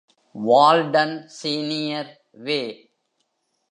Walton, senior way.